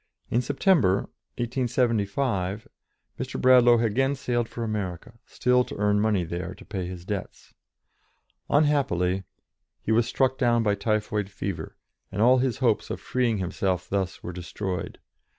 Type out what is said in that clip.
In September, 1875, Mr. Bradlaugh again sailed for America, still to earn money there to pay his debts. Unhappily he was struck down by typhoid fever, and all his hopes of freeing himself thus were destroyed.